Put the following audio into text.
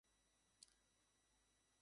রিংকু, জানো চীনারা আজকাল ইঁদুরও খাচ্ছে।